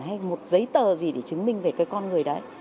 hay một giấy tờ gì để chứng minh về cái con người đấy